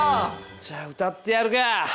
じゃあ歌ってやるか！